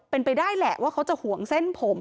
เป็นไปได้แหละว่าเขาจะห่วงเส้นผม